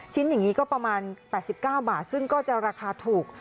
ชิ้นอย่างงี้ก็ประมาณแปดสิบเก้าบาทซึ่งก็จะราคาถูก